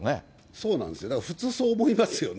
そうなんですよ、普通そう思いますよね。